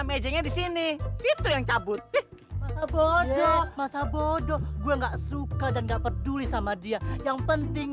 mejengin di sini situ yang cabut bodoh bodoh gue nggak suka dan gak peduli sama dia yang penting